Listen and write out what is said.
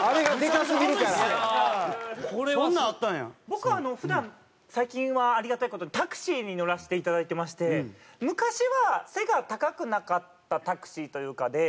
僕あの普段最近はありがたい事にタクシーに乗らせていただいてまして。昔は背が高くなかったタクシーというかで。